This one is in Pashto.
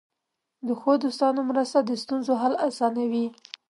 د ښو دوستانو مرسته د ستونزو حل آسانوي.